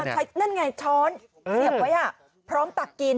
นั่นไงช้อนเสียบไว้พร้อมตักกิน